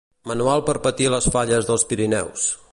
Manual per patir les falles dels Pirineus